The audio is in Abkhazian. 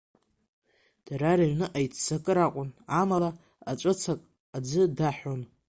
Дара рыҩныҟа иццакыр акәын, амала аҵәыцак аӡы даҳәон.